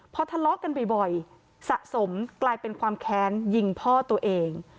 พอทะเลาะกันบ่อยสะสมกลายเป็นความแค้นยิงพ่อตัวเอง